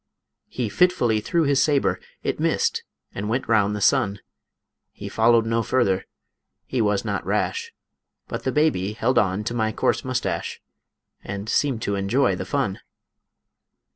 He fitfully threw his saber, It missed and went round the sun; He followed no further, he was not rash, But the baby held on to my coarse moustache, And seemed to enjoy the fun.